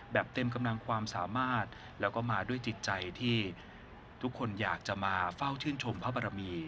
เต็มกำลังความสามารถแล้วก็มาด้วยจิตใจที่ทุกคนอยากจะมาเฝ้าชื่นชมพระบรมี